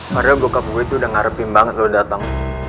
padahal bokap gue tuh udah ngarepin banget lo dateng